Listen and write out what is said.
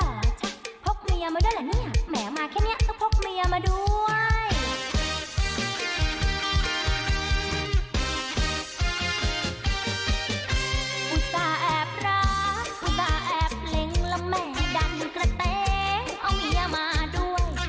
อุ๊สาแอบรักอุ๊สาแอบเล็งละแม่ดังกระเต๊เอาเมียมาด้วย